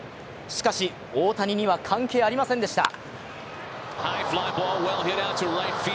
しかし大谷には関係ありませんでした。